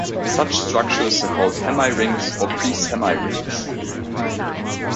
Such structures are called "hemirings" or "pre-semirings".